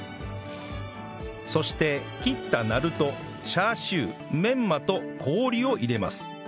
そして切ったなるとチャーシューメンマと氷を入れます